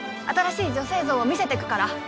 新しい女性像を見せていくから。